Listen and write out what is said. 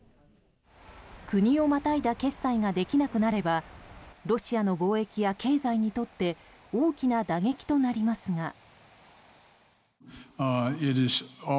国をまたいだ決済ができなくなればロシアの貿易や経済にとって大きな打撃となりますが。